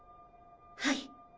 はい。